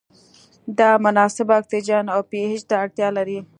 د مناسب اکسیجن او پي اچ ته اړتیا لري.